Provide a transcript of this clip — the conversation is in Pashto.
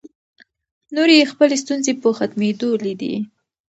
نورې یې خپلې ستونزې په ختمېدو لیدې.